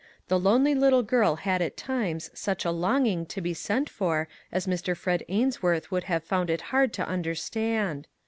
The lonely little girl had at times such a longing to be sent for as Mr. Fred Ainsworth would have found it hard to understand.